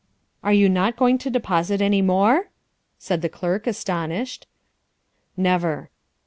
"Are you not going to deposit any more?" said the clerk, astonished. "Never."